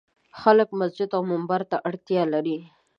خلک مسجد او منبر ته اړتیا لري.